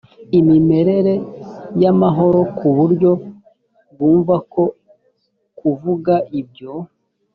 imimerere y amahoro ku buryo bumva ko kuvuga ibyo